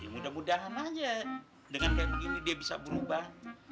mudah mudahan aja dengan kayak begini dia bisa berubah